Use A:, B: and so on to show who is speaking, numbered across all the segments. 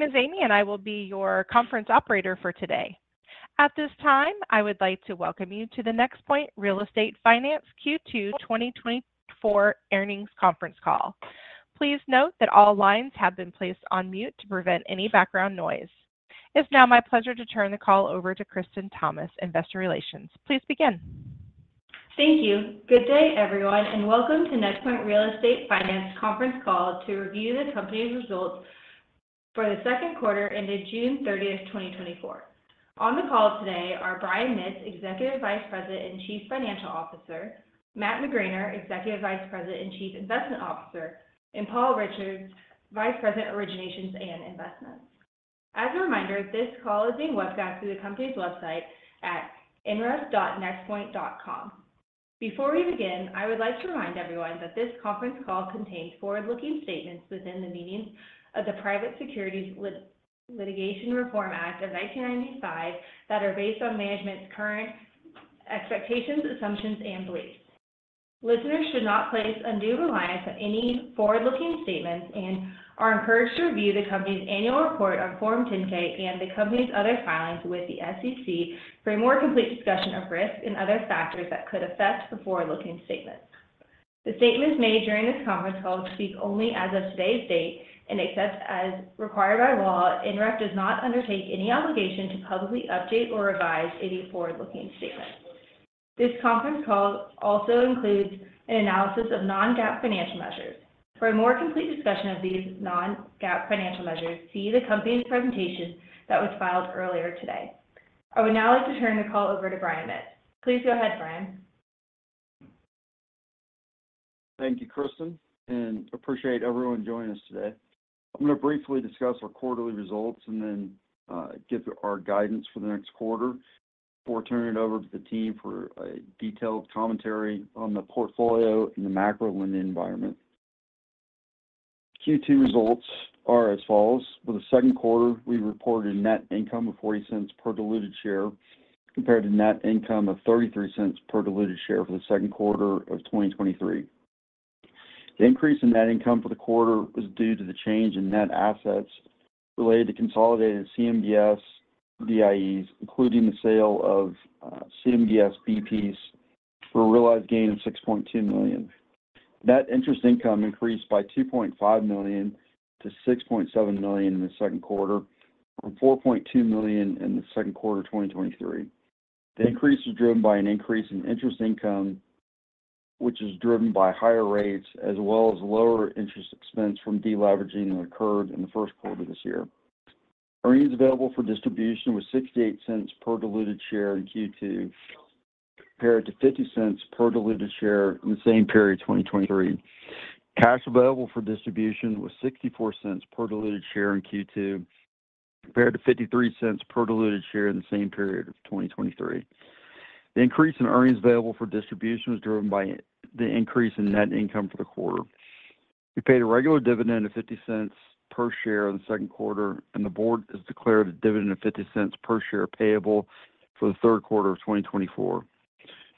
A: My name is Amy, and I will be your conference operator for today. At this time, I would like to welcome you to the NexPoint Real Estate Finance Q2 2024 Earnings Conference Call. Please note that all lines have been placed on mute to prevent any background noise. It's now my pleasure to turn the call over to Kristen Thomas, Investor Relations. Please begin.
B: Thank you. Good day, everyone, and welcome to NexPoint Real Estate Finance Conference Call to review the company's results for the second quarter ended June 30, 2024. On the call today are Brian Mitts, Executive Vice President and Chief Financial Officer, Matt McGraner, Executive Vice President and Chief Investment Officer, and Paul Richards, Vice President, Originations and Investments. As a reminder, this call is being webcast through the company's website at nref.nexpoint.com. Before we begin, I would like to remind everyone that this conference call contains forward-looking statements within the meaning of the Private Securities Litigation Reform Act of 1995, that are based on management's current expectations, assumptions, and beliefs. Listeners should not place undue reliance on any forward-looking statements and are encouraged to review the company's annual report on Form 10-K and the company's other filings with the SEC for a more complete discussion of risks and other factors that could affect the forward-looking statements. The statements made during this conference call speak only as of today's date, and except as required by law, NREF does not undertake any obligation to publicly update or revise any forward-looking statement. This conference call also includes an analysis of non-GAAP financial measures. For a more complete discussion of these non-GAAP financial measures, see the company's presentation that was filed earlier today. I would now like to turn the call over to Brian Mitts. Please go ahead, Brian.
C: Thank you, Kristen, and appreciate everyone joining us today. I'm going to briefly discuss our quarterly results and then, give our guidance for the next quarter before turning it over to the team for a detailed commentary on the portfolio and the macro lending environment. Q2 results are as follows: For the second quarter, we reported net income of $0.40 per diluted share, compared to net income of $0.33 per diluted share for the second quarter of 2023. The increase in net income for the quarter was due to the change in net assets related to consolidated CMBS VIEs, including the sale of CMBS B-Pieces for a realized gain of $6.2 million. Net interest income increased by $2.5 million-$6.7 million in the second quarter, from $4.2 million in the second quarter of 2023. The increase was driven by an increase in interest income, which is driven by higher rates as well as lower interest expense from deleveraging that occurred in the first quarter this year. Earnings available for distribution was $0.68 per diluted share in Q2, compared to $0.50 per diluted share in the same period, 2023. Cash available for distribution was $0.64 per diluted share in Q2, compared to $0.53 per diluted share in the same period of 2023. The increase in earnings available for distribution was driven by the increase in net income for the quarter. We paid a regular dividend of $0.50 per share in the second quarter, and the board has declared a dividend of $0.50 per share payable for the third quarter of 2024.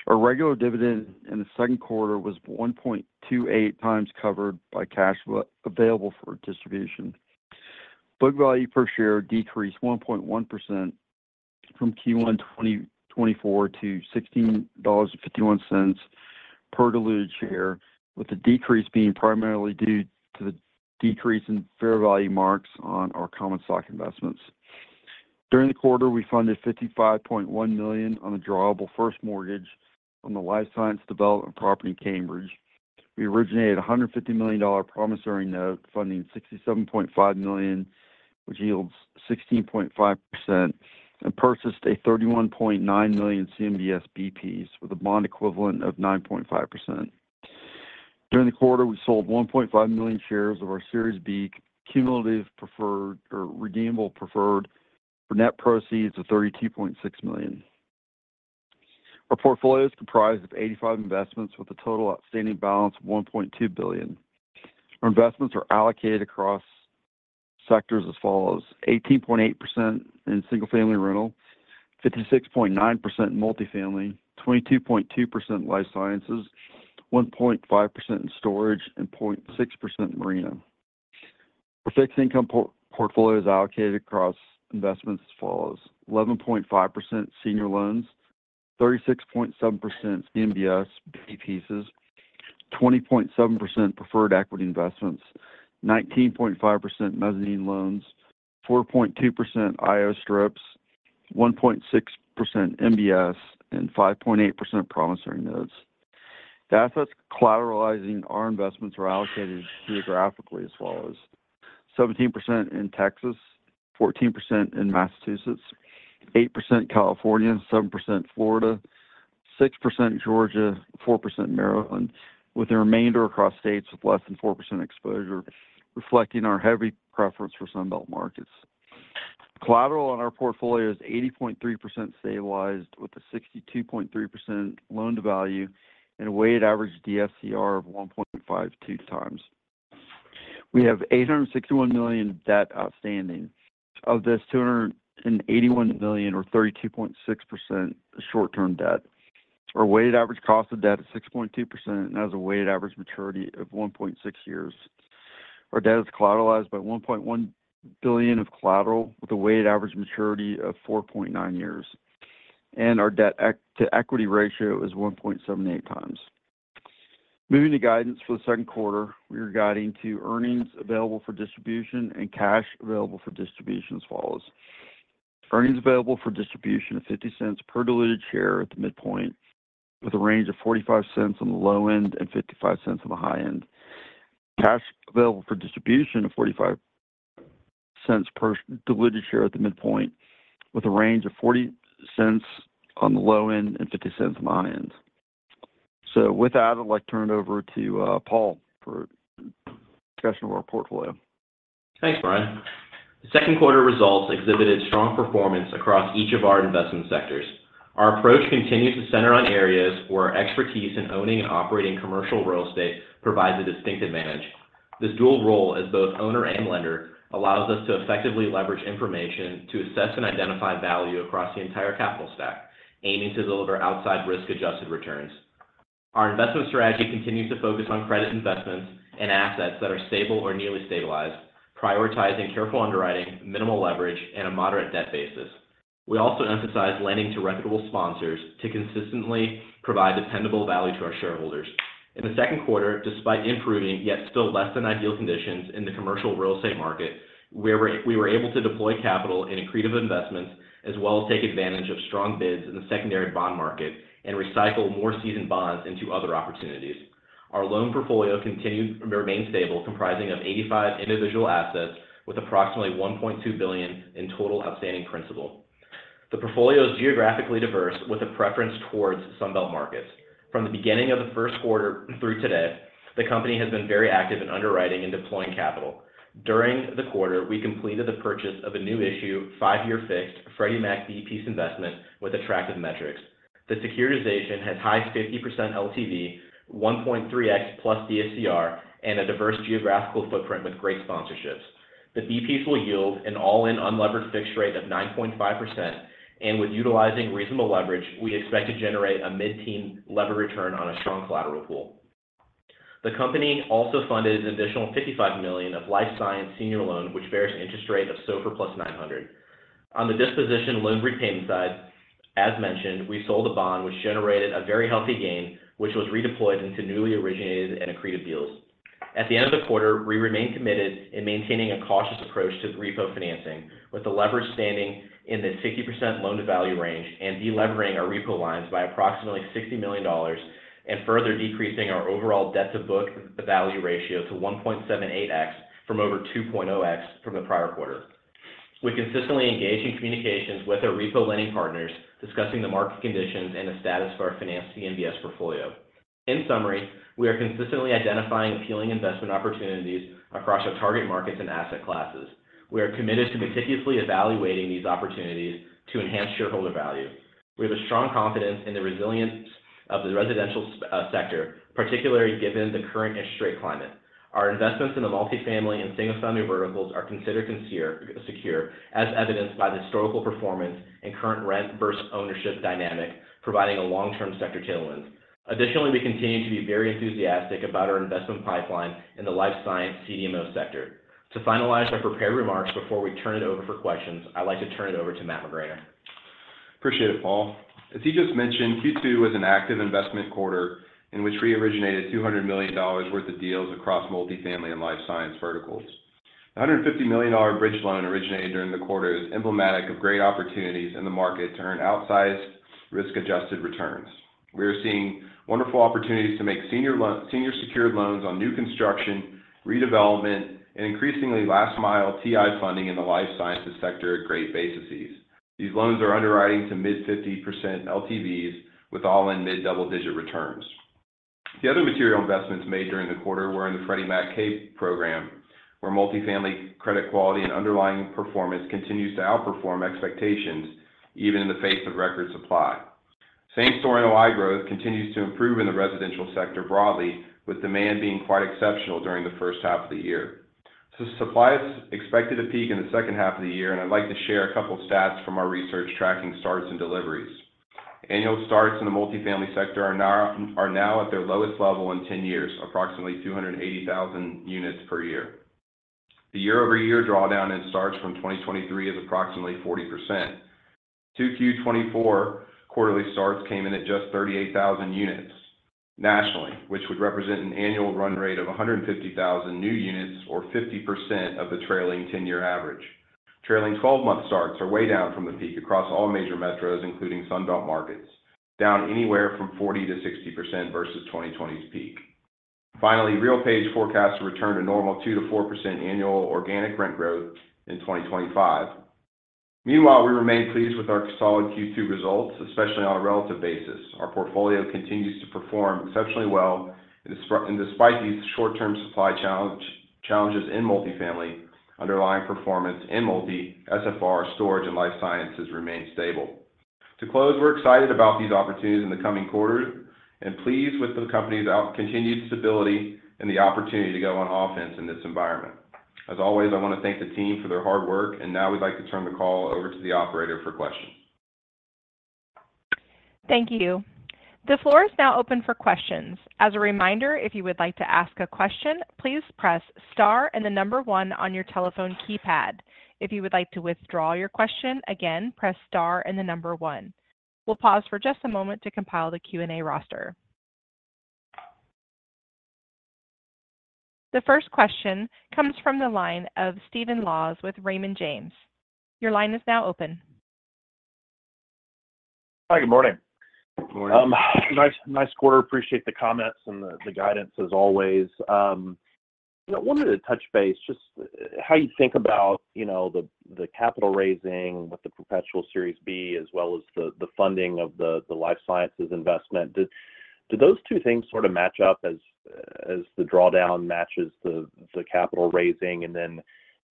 C: Our regular dividend in the second quarter was 1.28 times covered by cash available for distribution. Book value per share decreased 1.1% from Q1 2024 to $16.51 per diluted share, with the decrease being primarily due to the decrease in fair value marks on our common stock investments. During the quarter, we funded $55.1 million on a drawable first mortgage on the life science development property in Cambridge. We originated a $150 million promissory note, funding $67.5 million, which yields 16.5%, and purchased a $31.9 million CMBS B-Pieces with a bond equivalent of 9.5%. During the quarter, we sold 1.5 million shares of our Series B Cumulative Redeemable Preferred for net proceeds of $32.6 million. Our portfolio is comprised of 85 investments, with a total outstanding balance of $1.2 billion. Our investments are allocated across sectors as follows: 18.8% in single-family rental, 56.9% multifamily, 22.2% life sciences, 1.5% in storage, and 0.6% marina. Our fixed income portfolio is allocated across investments as follows: 11.5% senior loans, 36.7% CMBS B-Pieces, 20.7% preferred equity investments, 19.5% mezzanine loans, 4.2% IO strips, 1.6% MBS, and 5.8% promissory notes. The assets collateralizing our investments are allocated geographically as well as 17% in Texas, 14% in Massachusetts, 8% California, 7% Florida, 6% Georgia, 4% Maryland, with the remainder across states with less than 4% exposure, reflecting our heavy preference for Sunbelt markets. Collateral on our portfolio is 80.3% stabilized, with a 62.3% loan-to-value and a weighted average DSCR of 1.52 times. We have $861 million in debt outstanding. Of this, $281 million or 32.6% is short-term debt. Our weighted average cost of debt is 6.2%, and has a weighted average maturity of 1.6 years. Our debt is collateralized by $1.1 billion of collateral, with a weighted average maturity of 4.9 years, and our debt-to-equity ratio is 1.78 times. Moving to guidance for the second quarter, we are guiding to earnings available for distribution and cash available for distribution as follows: earnings available for distribution of $0.50 per diluted share at the midpoint, with a range of $0.45-$0.55. Cash available for distribution of $0.45 per diluted share at the midpoint, with a range of $0.40 on the low-end, and $0.50 high-end. So with that, I'd like to turn it over to Paul for discussion of our portfolio.
D: Thanks, Brian. The second quarter results exhibited strong performance across each of our investment sectors. Our approach continues to center on areas where our expertise in owning and operating commercial real estate provides a distinct advantage. This dual role as both owner and lender allows us to effectively leverage information to assess and identify value across the entire capital stack, aiming to deliver outside risk-adjusted returns. Our investment strategy continues to focus on credit investments and assets that are stable or nearly stabilized, prioritizing careful underwriting, minimal leverage, and a moderate debt basis. We also emphasize lending to reputable sponsors to consistently provide dependable value to our shareholders. In the second quarter, despite improving, yet still less than ideal conditions in the commercial real estate market, we were able to deploy capital in accretive investments, as well as take advantage of strong bids in the secondary bond market and recycle more seasoned bonds into other opportunities. Our loan portfolio continued to remain stable, comprising of 85 individual assets with approximately $1.2 billion in total outstanding principal. The portfolio is geographically diverse, with a preference towards Sunbelt markets. From the beginning of the first quarter through today, the company has been very active in underwriting and deploying capital. During the quarter, we completed the purchase of a new issue, five year fixed Freddie Mac B-Piece investment with attractive metrics. The securitization has high 50% LTV, 1.3x plus DSCR, and a diverse geographical footprint with great sponsorships. The B-Piece will yield an all-in unlevered fixed rate of 9.5%, and with utilizing reasonable leverage, we expect to generate a mid-teen lever return on a strong collateral pool. The company also funded an additional $55 million of life science senior loan, which bears an interest rate of SOFR + 900. On the disposition loan repayment side, as mentioned, we sold a bond which generated a very healthy gain, which was redeployed into newly originated and accretive deals. At the end of the quarter, we remained committed in maintaining a cautious approach to the repo financing, with the leverage standing in the 60% loan-to-value range and de-levering our repo lines by approximately $60 million, and further decreasing our overall debt to book the value ratio to 1.78x from over 2.0x from the prior quarter. We consistently engage in communications with our repo lending partners, discussing the market conditions and the status of our finance CMBS portfolio. In summary, we are consistently identifying appealing investment opportunities across our target markets and asset classes. We are committed to meticulously evaluating these opportunities to enhance shareholder value. We have a strong confidence in the resilience of the residential sector, particularly given the current interest rate climate. Our investments in the multifamily and single-family verticals are considered secure, as evidenced by the historical performance and current rent versus ownership dynamic, providing a long-term sector tailwind. Additionally, we continue to be very enthusiastic about our investment pipeline in the life science CDMO sector. To finalize our prepared remarks before we turn it over for questions, I'd like to turn it over to Matt McGraner.
E: Appreciate it, Paul. As he just mentioned, Q2 was an active investment quarter in which we originated $200 million worth of deals across multifamily and life science verticals. $150 million bridge loan originated during the quarter is emblematic of great opportunities in the market to earn outsized risk-adjusted returns. We are seeing wonderful opportunities to make senior secured loans on new construction, redevelopment, and increasingly last mile TI funding in the life sciences sector at great basis fees. These loans are underwriting to mid-50% LTVs with all-in mid-double-digit returns. The other material investments made during the quarter were in the Freddie Mac K Program, where multifamily credit quality and underlying performance continues to outperform expectations, even in the face of record supply. Same story on YoY growth continues to improve in the residential sector broadly, with demand being quite exceptional during the first half of the year. Supply is expected to peak in the second half of the year, and I'd like to share a couple stats from our research tracking starts and deliveries. Annual starts in the multifamily sector are now at their lowest level in ten years, approximately 280,000 units per year. The year-over-year drawdown in starts from 2023 is approximately 40%. 2Q 2024 quarterly starts came in at just 38,000 units nationally, which would represent an annual run rate of 150,000 new units or 50% of the trailing ten-year average. Trailing 12-month starts are way down from the peak across all major metros, including Sunbelt markets, down anywhere from 40%-60% versus 2020's peak. Finally, Real Page forecasts to return to normal 2%-4% annual organic rent growth in 2025. Meanwhile, we remain pleased with our solid Q2 results, especially on a relative basis. Our portfolio continues to perform exceptionally well, and despite these short-term supply challenges in multifamily, underlying performance in multi, SFR, storage, and life sciences remain stable. To close, we're excited about these opportunities in the coming quarters and pleased with the company's continued stability and the opportunity to go on offense in this environment. As always, I wanna thank the team for their hard work, and now we'd like to turn the call over to the operator for questions.
A: Thank you. The floor is now open for questions. As a reminder, if you would like to ask a question, please press star and the number one on your telephone keypad. If you would like to withdraw your question, again, press star and the number one. We'll pause for just a moment to compile the Q&A roster. The first question comes from the line of Stephen Laws with Raymond James. Your line is now open.
F: Hi, good morning.
E: Good morning.
F: Nice, nice quarter. Appreciate the comments and the guidance as always. I wanted to touch base just how you think about, you know, the capital raising with the perpetual Series B as well as the funding of the life sciences investment. Do those two things sort of match up as the drawdown matches the capital raising? And then,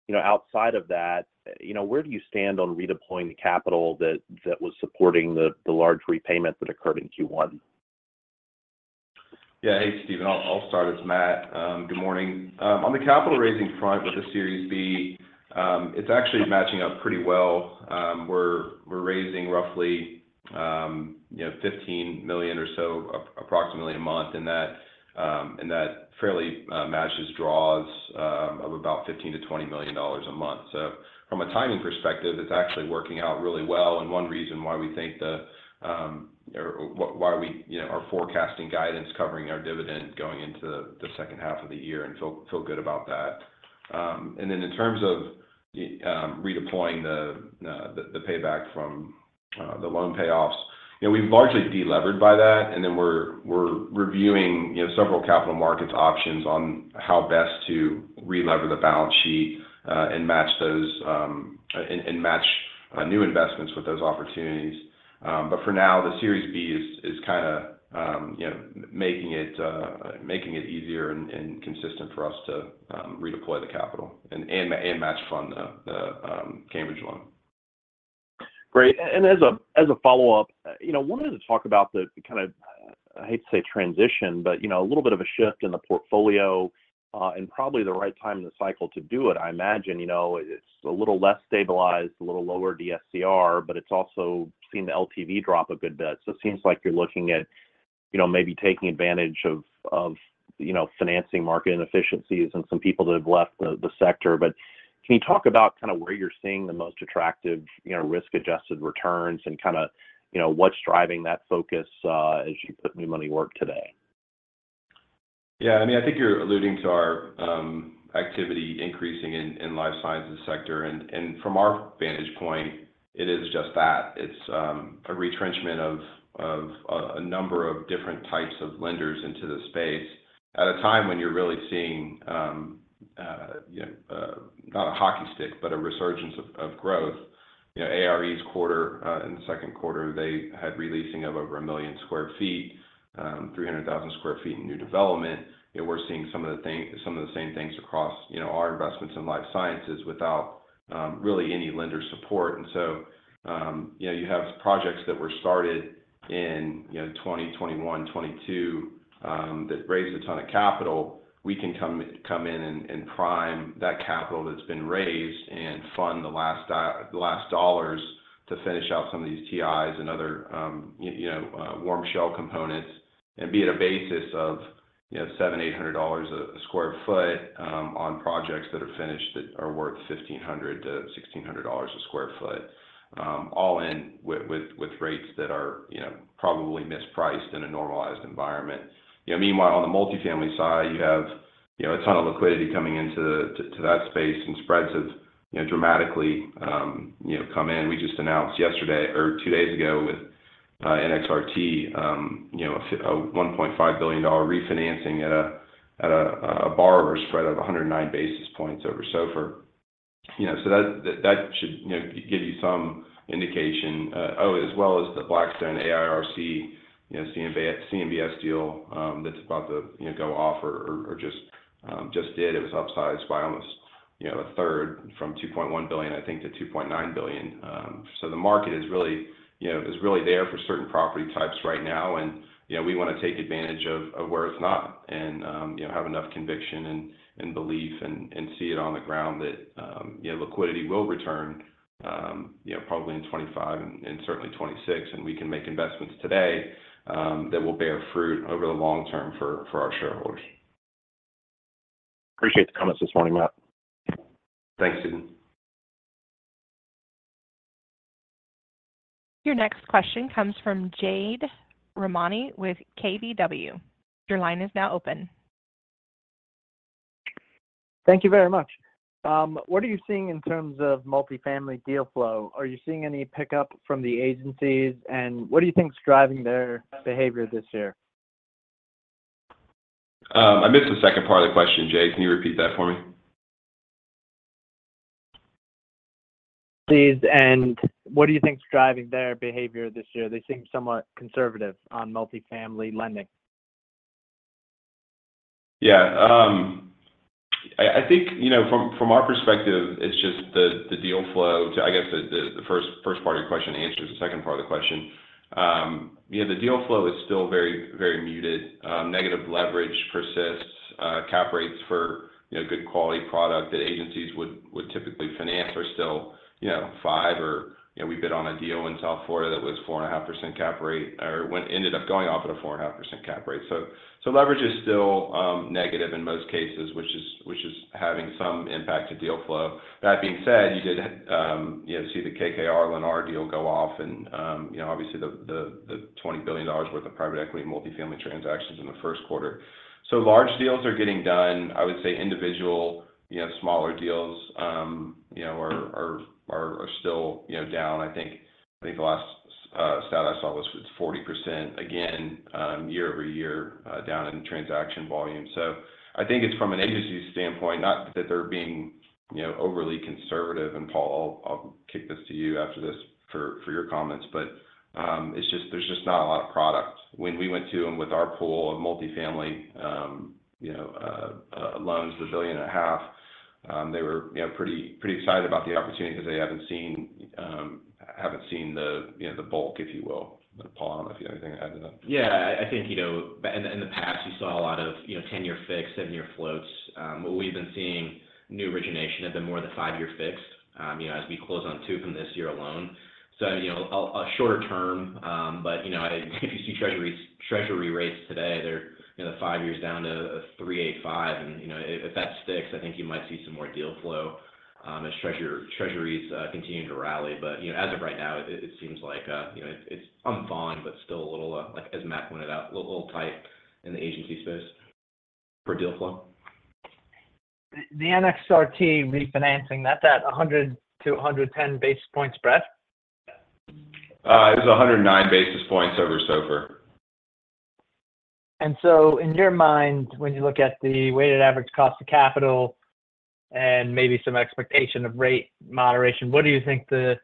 F: you know, outside of that, you know, where do you stand on redeploying the capital that was supporting the large repayment that occurred in Q1?
E: Yeah. Hey, Stephen. I'll start. It's Matt, good morning. On the capital raising front with the Series B, it's actually matching up pretty well. We're raising roughly, you know, $15 million or so approximately a month, and that fairly matches draws of about $15 million-$20 million a month. So from a timing perspective, it's actually working out really well, and one reason why we think the or why we, you know, are forecasting guidance covering our dividend going into the second half of the year and feel good about that. And then in terms of redeploying the payback from the loan payoffs, you know, we've largely delevered by that, and then we're reviewing, you know, several capital markets options on how best to relever the balance sheet, and match those new investments with those opportunities. But for now, the Series B is kinda, you know, making it easier and consistent for us to redeploy the capital and match fund the Cambridge loan.
F: Great. And as a follow-up, you know, wanted to talk about the kind of, I hate to say transition, but, you know, a little bit of a shift in the portfolio, and probably the right time in the cycle to do it. I imagine, you know, it's a little less stabilized, a little lower DSCR, but it's also seen the LTV drop a good bit. So it seems like you're looking at, you know, maybe taking advantage of, you know, financing market inefficiencies and some people that have left the sector. But can you talk about kind of where you're seeing the most attractive, you know, risk-adjusted returns and kinda, you know, what's driving that focus, as you put new money to work today?
E: Yeah, I mean, I think you're alluding to our activity increasing in the life sciences sector. And from our vantage point, it is just that. It's a retrenchment of a number of different types of lenders into the space at a time when you're really seeing, you know, not a hockey stick, but a resurgence of growth. You know, ARE's quarter in the second quarter, they had re-leasing of over 1 million sq ft, 300,000 sq ft in new development. And we're seeing some of the same things across, you know, our investments in life sciences without really any lender support. And so, you know, you have projects that were started in, you know, 2020, 2021, 2022, that raised a ton of capital. We can come in and prime that capital that's been raised and fund the last dollars to finish out some of these TIs and other, you know, warm shell components, and be at a basis of, you know, $700-$800 a sq ft, on projects that are finished, that are worth $1,500-$1,600 a sq ft, all in with rates that are, you know, probably mispriced in a normalized environment. You know, meanwhile, on the multifamily side, you have, you know, a ton of liquidity coming into that space and spreads have, you know, dramatically come in. We just announced yesterday or two days ago with NXRT, you know, a $1.5 billion refinancing at a borrower spread of 109 basis points over SOFR. You know, so that should, you know, give you some indication. Oh, as well as the Blackstone AIRC, you know, CMBS, CMBS deal, that's about to, you know, go off or just did. It was upsized by almost, you know, a third from $2.1 billion, I think, to $2.9 billion. So the market is really, you know, is really there for certain property types right now, and, you know, we wanna take advantage of where it's not and, you know, have enough conviction and belief and see it on the ground that, you know, liquidity will return, you know, probably in 2025 and certainly 2026, and we can make investments today that will bear fruit over the long term for our shareholders.
F: Appreciate the comments this morning, Matt.
E: Thanks, Stephen.
A: Your next question comes from Jade Rahmani with KBW. Your line is now open.
G: Thank you very much. What are you seeing in terms of multifamily deal flow? Are you seeing any pickup from the agencies, and what do you think is driving their behavior this year?
E: I missed the second part of the question, Jade, can you repeat that for me?
G: Please, and what do you think is driving their behavior this year? They seem somewhat conservative on multifamily lending.
E: Yeah. I think, you know, from our perspective, it's just the deal flow. I guess the first part of your question answers the second part of the question. Yeah, the deal flow is still very, very muted. Negative leverage persists, cap rates for, you know, good quality product that agencies would typically finance are still, you know, 5% or, you know, we bid on a deal in South Florida that was 4.5% cap rate, or when ended up going off at a 4.5% cap rate. So, leverage is still negative in most cases, which is having some impact to deal flow. That being said, you did, you know, see the KKR Lennar deal go off and, you know, obviously the $20 billion worth of private equity multifamily transactions in the first quarter. So large deals are getting done. I would say individual, you know, smaller deals, you know, are still, you know, down. I think the last stat I saw was it's 40%, again, year-over-year, down in transaction volume. So I think it's from an agency standpoint, not that they're being, you know, overly conservative, and Paul, I'll kick this to you after this for your comments, but, it's just there's just not a lot of product. When we went to them with our pool of multifamily, you know, loans, the $1.5 billion, they were, you know, pretty, pretty excited about the opportunity because they haven't seen, haven't seen the, you know, the bulk, if you will. But Paul, if you have anything to add to that.
D: Yeah, I think, you know, in the past, you saw a lot of, you know, 10-year fixed, seven-year floats. But we've been seeing new origination have been more five-year fixed, you know, as we close on two from this year alone. So, you know, a shorter term, but, you know, if you see treasury rates today, they're, you know, five years down to 3.85, and, you know, if that sticks, I think you might see some more deal flow, as treasuries continue to rally. But, you know, as of right now, it seems like, you know, it's unfun, but still a little, like, as Matt pointed out, a little tight in the agency space for deal flow.
G: The NXRT refinancing, that's at 100-110 basis points spread?
E: It was 109 basis points over SOFR.
G: So in your mind, when you look at the weighted average cost of capital and maybe some expectation of rate moderation, what do you think the,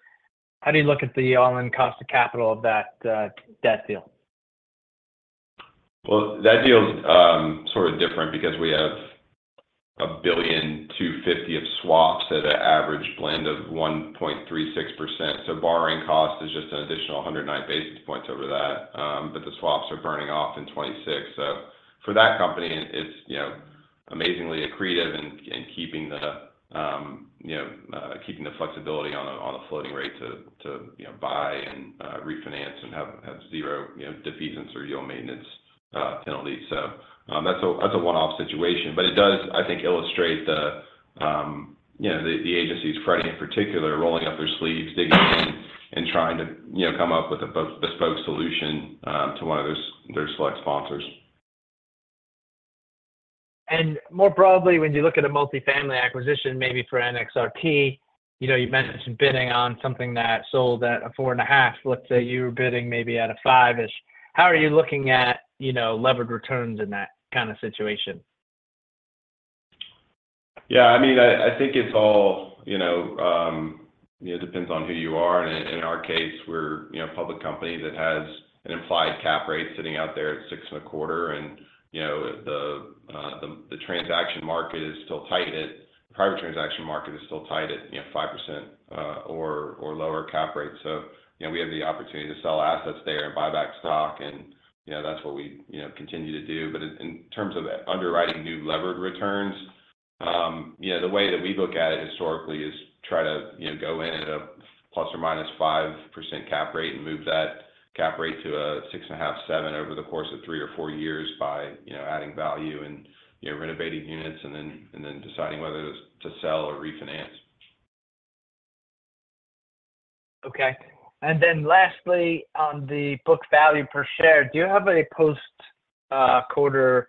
G: how do you look at the all-in cost of capital of that debt deal?
E: Well, that deal is sort of different because we have $1.25 billion of swaps at an average blend of 1.36%. So borrowing cost is just an additional 109 basis points over that. But the swaps are burning off in 2026. So for that company, it's, you know, amazingly accretive in keeping the, you know, keeping the flexibility on a floating rate to buy and refinance and have zero, you know, defeasance or yield maintenance penalties. So that's a one-off situation, but it does, I think, illustrate the, you know, the agencies, Freddie in particular, rolling up their sleeves, digging in, and trying to come up with a bespoke solution to one of their select sponsors.
G: More broadly, when you look at a multifamily acquisition, maybe for NXRT, you know, you mentioned bidding on something that sold at a 4.5%. Let's say you were bidding maybe at a 5%-ish. How are you looking at, you know, levered returns in that kind of situation?
E: Yeah, I mean, I think it's all, you know, it depends on who you are. In our case, we're, you know, a public company that has an implied cap rate sitting out there at 6.25%, and, you know, the private transaction market is still tight at 5% or lower cap rates. So, you know, we have the opportunity to sell assets there and buy back stock, and, you know, that's what we, you know, continue to do. But in terms of underwriting new levered returns, you know, the way that we look at it historically is try to, you know, go in at a ±5% cap rate and move that cap rate to a 6.5%-7% over the course of three or four years by, you know, adding value and, you know, renovating units and then deciding whether to sell or refinance.
G: Okay. And then lastly, on the book value per share, do you have a post, quarter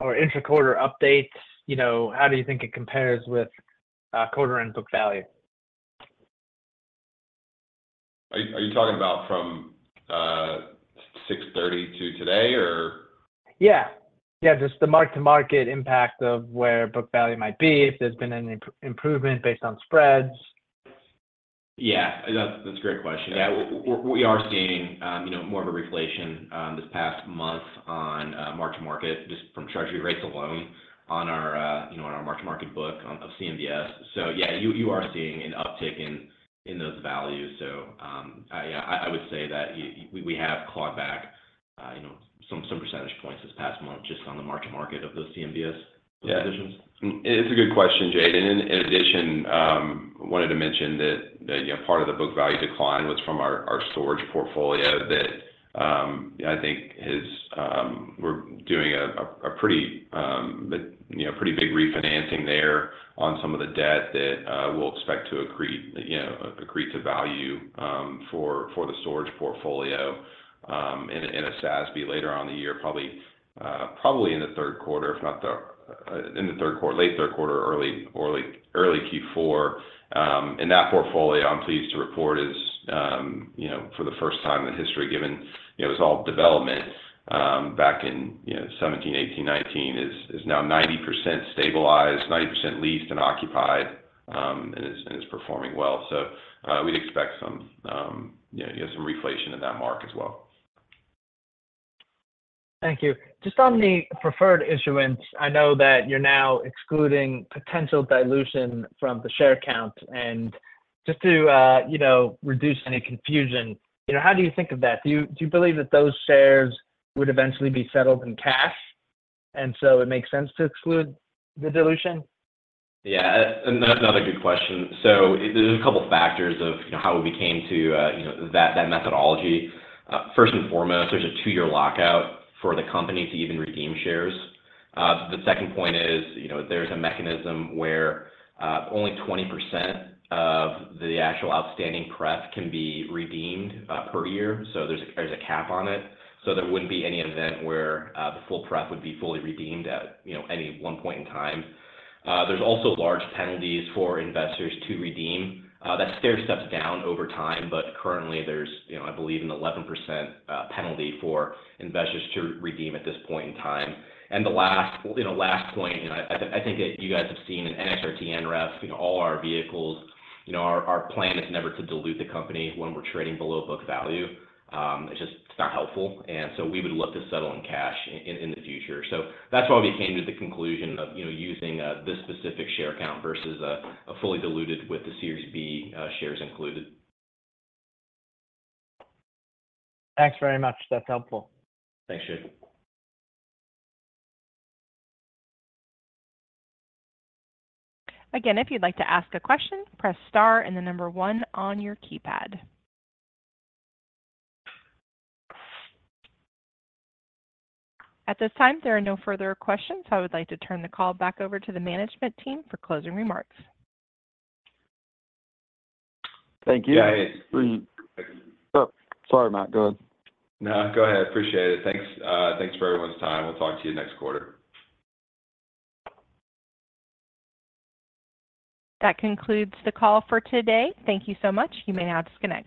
G: or intra-quarter update? You know, how do you think it compares with, quarter end book value?
E: Are you talking about from 6:30 to today, or?
G: Yeah. Yeah, just the mark-to-market impact of where book value might be, if there's been any improvement based on spreads?
D: Yeah, that's a great question. Yeah, we are seeing, you know, more of a reflation this past month on mark-to-market, just from treasury rates alone on our, you know, on our mark-to-market book of CMBS. So yeah, you are seeing an uptick in those values. So, I would say that we have clawed back, you know, some percentage points this past month just on the mark-to-market of those CMBS positions.
E: Yeah. It's a good question, Jade. And in addition, I wanted to mention that, you know, part of the book value decline was from our storage portfolio that, I think is, we're doing a pretty big refinancing there on some of the debt that we'll expect to accrete to value, you know, for the storage portfolio in a SASB later on in the year, probably in the third quarter, if not in the third quarter, late third quarter, early Q4. And that portfolio, I'm pleased to report, is, you know, for the first time in history, given, you know, it was all development back in 2017, 2018, 2019, is now 90% stabilized, 90% leased and occupied, and is performing well. So, we'd expect some, you know, some reflation in that mark as well.
G: Thank you. Just on the preferred issuance, I know that you're now excluding potential dilution from the share count. Just to, you know, reduce any confusion, you know, how do you think of that? Do you, do you believe that those shares would eventually be settled in cash, and so it makes sense to exclude the dilution?
D: Yeah, and that's another good question. So there's a couple factors of, you know, how we came to, that, that methodology. First and foremost, there's a two-year lockout for the company to even redeem shares. The second point is, you know, there's a mechanism where, only 20% of the actual outstanding pref can be redeemed, per year. So there's a, there's a cap on it, so there wouldn't be any event where, the full pref would be fully redeemed at, you know, any one point in time. There's also large penalties for investors to redeem. That stair steps down over time, but currently there's, you know, I believe, an 11%, penalty for investors to redeem at this point in time. The last point, you know, and I think that you guys have seen in NXRT and NREF, you know, all our vehicles, you know, our plan is never to dilute the company when we're trading below book value. It's just, it's not helpful, and so we would look to settle in cash in the future. So that's why we came to the conclusion of, you know, using this specific share count versus a fully diluted with the Series B shares included.
G: Thanks very much. That's helpful.
D: Thanks, Jade.
A: Again, if you'd like to ask a question, press star and the number one on your keypad. At this time, there are no further questions, so I would like to turn the call back over to the management team for closing remarks.
C: Thank you.
D: Yeah, I-
C: Oh, sorry, Matt, go ahead.
D: No, go ahead. Appreciate it. Thanks. Thanks for everyone's time. We'll talk to you next quarter.
A: That concludes the call for today. Thank you so much. You may now disconnect.